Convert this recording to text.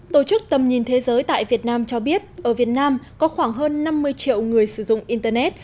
tổ chức tầm nhìn thế giới tại việt nam cho biết ở việt nam có khoảng hơn năm mươi triệu người sử dụng internet